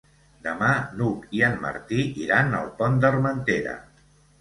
Demà n'Hug i en Martí iran al Pont d'Armentera.